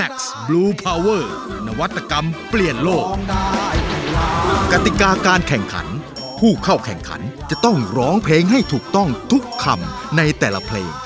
ก็จะเล่าเพลงให้ถูกต้องทุกคำในแต่ละเพลง